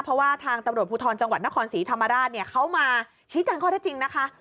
เพราะว่าทางตำรวจภูทรจังหวัดนครศรีธรรมราชเนี่ยเขามาชี้แจงข้อได้จริงนะคะ